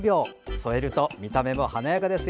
添えると見た目も華やかですよ。